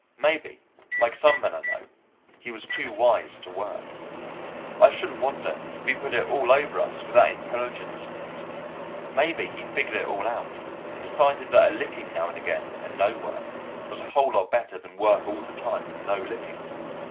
Maybe, like some men I know, he was too wise to work. I shouldn't wonder if he put it all over us with that intelligence of his. Maybe he figured it all out and decided that a licking now and again and no work was a whole lot better than work all the time and no licking.